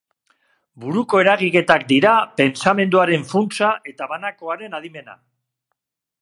Buruko eragiketak dira pentsamenduaren funtsa eta banakoaren adimena.